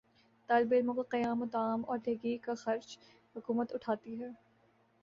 طالب علموں کا قیام و طعام اور تحقیق کا خرچ حکومت اٹھاتی ہے